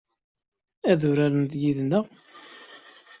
Ad uraren yid-nteɣ?